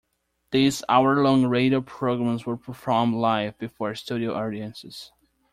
These hour-long radio programs were performed live before studio audiences.